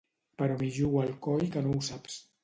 Però m'hi jugo el coll que no ho saps.